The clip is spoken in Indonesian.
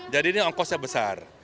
jadi ini ongkosnya besar